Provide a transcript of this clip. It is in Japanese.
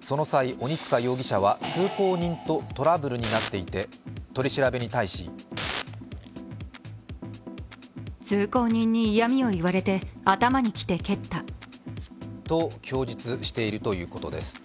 その際、鬼束容疑者は通行人とトラブルになっていて取り調べに対しと、供述しているということです。